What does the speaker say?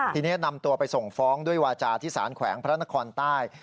ทีนี้นำตัวไปส่งฟ้องด้วยวาจาที่สารแขวงพระนครใต้